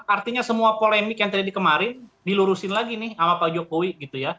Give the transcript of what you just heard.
artinya semua polemik yang terjadi kemarin dilurusin lagi nih sama pak jokowi gitu ya